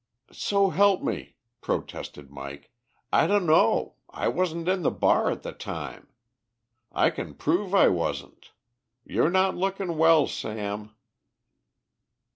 "So help me," protested Mike, "I dunno. I wasn't in the bar at the time. I can prove I wasn't. Yer not looking well, Sam."